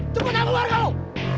cepetan keluar kamu